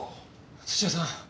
土屋さん。